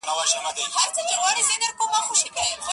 • د پردي کلي د غلۀ کانه ور وسوه ..